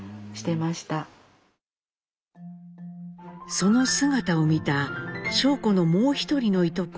その姿を見た尚子のもう一人のいとこ